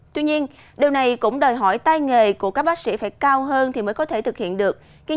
tuy nhiên điều này cũng đòi hỏi tay nghề của các bác sĩ phải cao hơn thì mới có thể thực hiện được